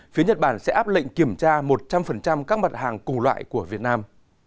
phía nhật bản sẽ áp lệnh kiểm tra một trăm linh các mặt hàng cùng loại của việt nam